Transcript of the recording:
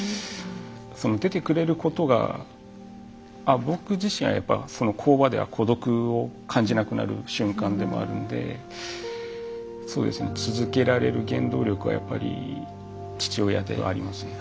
その出てくれることが僕自身はやっぱり工場では孤独を感じなくなる瞬間でもあるので続けられる原動力はやっぱり父親ではありますね。